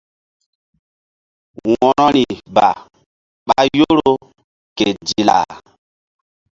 Wo̧rori ba ɓa Yoro ke Dilla.